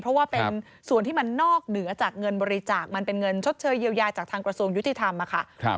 เพราะว่าเป็นส่วนที่มันนอกเหนือจากเงินบริจาคมันเป็นเงินชดเชยเยียวยาจากทางกระทรวงยุติธรรมค่ะ